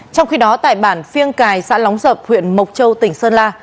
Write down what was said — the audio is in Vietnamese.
trong khi đó tại bản phiêng cài xã lóng sập huyện mộc châu tỉnh sơn la